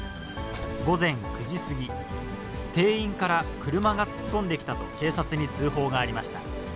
午前９時過ぎ、店員から車が突っ込んできたと警察に通報がありました。